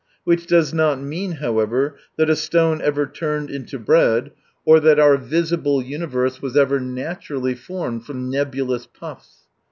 Which does not mean, however, that a stone ever turned into bread, or that 23 6ur visible universe was ever " naturally " formed from nebulous puffs.